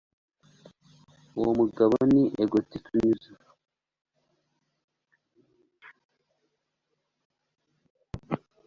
Uwo mugabo ni egotiste unyuze.